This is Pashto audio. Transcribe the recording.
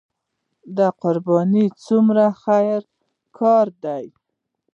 د قربانۍ څرمنې خیریه کار دی